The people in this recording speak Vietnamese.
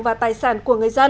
và tài sản của người dân